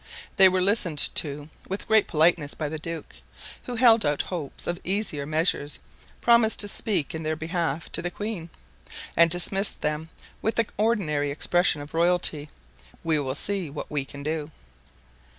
They were listened to with great politeness by the duke, who held out hopes of easier measures, promised to speak in their behalf to the queen, and dismissed them with the ordinary expression of royalty, "We will see what we can do."